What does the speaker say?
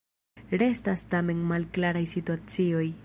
Restas tamen malklaraj situacioj.